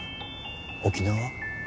沖縄？